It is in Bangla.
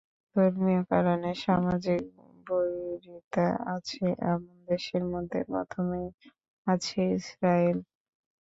ধর্মীয় কারণে সামাজিক বৈরিতা আছে, এমন দেশের মধ্যে প্রথমেই আছে ইসরায়েল।